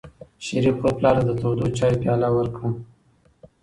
شریف خپل پلار ته د تودو چایو پیاله ورکړه.